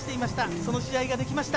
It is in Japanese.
その試合ができました。